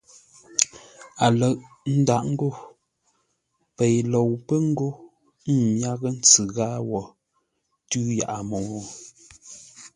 A lə̂ʼ ńdáʼ ngô: Pei lou pə́ ńgó m myághʼə́ ntsʉ ghâa wo tʉ́ yaʼa mô?